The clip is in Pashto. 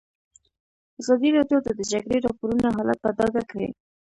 ازادي راډیو د د جګړې راپورونه حالت په ډاګه کړی.